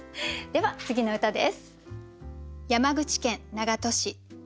では次の歌です。